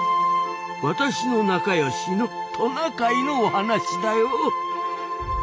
私の仲良しのトナカイのお話だよ。